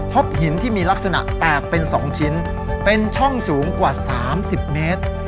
พบหินที่มีลักษณะแตกเป็น๒ชิ้นเป็นช่องสูงกว่า๓๐เมตร